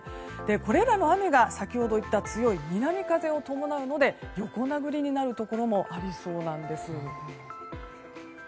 これらの雨が先ほど言った強い南風を伴うので横殴りになるところもありそうなんです。